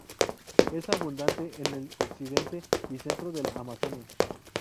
Es abundante en el occidente y centro de la Amazonia.